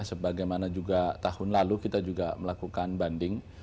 sebagaimana juga tahun lalu kita juga melakukan banding